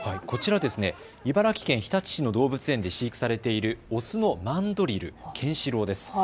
こちら茨城県日立市の動物園で飼育されているオスのマンドリル、ケンシロウです。